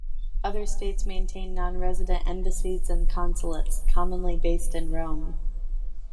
Other states maintain non-resident embassies and consulates, commonly based in Rome.